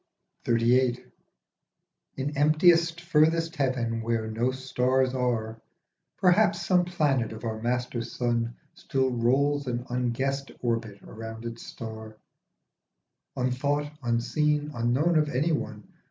XXXVIII. IN emptiest furthest heaven where no stars are, Perhaps some planet of our master sun Still rolls an unguessed orbit round its star, Unthought, unseen, unknown of anyone.